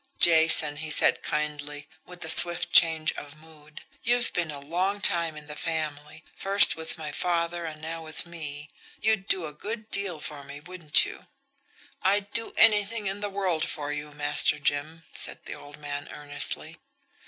"Jason," he said kindly, with a swift change of mood, "you've been a long time in the family first with father, and now with me. You'd do a good deal for me, wouldn't you?" "I'd do anything in the world for you, Master Jim," said the old man earnestly.